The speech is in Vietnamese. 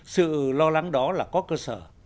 sự lo lắng đó là có cơ sở